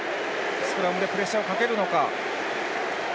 スクラムでプレッシャーをかけるのか。